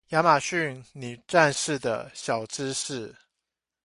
亞馬遜女戰士的小知識